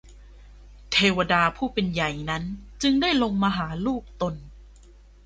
เทวดาผู้เป็นใหญ่นั้นจึงได้ลงมาหาลูกตน